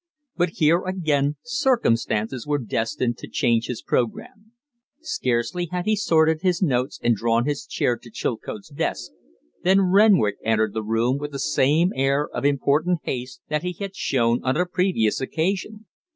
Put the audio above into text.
But here again circumstances were destined to change his programme. Scarcely had he sorted his notes and drawn his chair to Chilcote's desk than Renwick entered the room with the same air of important haste that he had shown on a previous occasion.